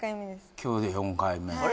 今日で４回目あれ？